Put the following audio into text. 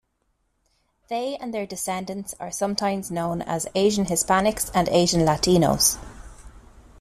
They and their descendants are sometimes known as Asian Hispanics and Asian Latinos.